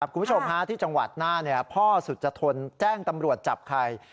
คุณผู้ชมที่จังหวัดน่านพ่อสุจทนแจ้งตำรวจจับใคร